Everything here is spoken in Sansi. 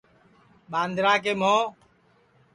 ٻاندرا کے مھوں